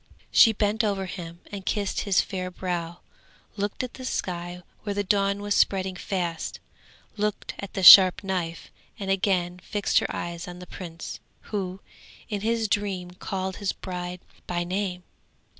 She bent over him and kissed his fair brow, looked at the sky where the dawn was spreading fast, looked at the sharp knife, and again fixed her eyes on the prince, who, in his dream called his bride by name.